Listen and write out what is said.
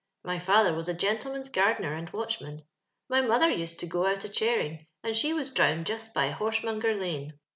My father was a gentleman's gardener and watchman. My mother used to go out a chairing, and she was drowned just by Horsenionger Lane.